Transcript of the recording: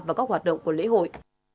và các hoạt động của lễ hội